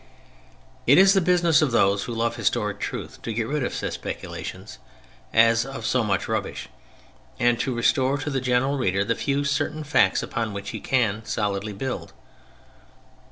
It is the business of those who love historic truth to get rid of such speculations as of so much rubbish, and to restore to the general reader the few certain facts upon which he can solidly build.